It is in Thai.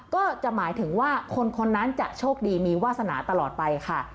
ก็จะหมายถึงว่าคนคนนั้นจะโชคดีมีวาสนาตลอดไปค่ะ